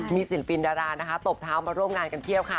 มีศิลปินดารานะคะตบเท้ามาร่วมงานกันเพียบค่ะ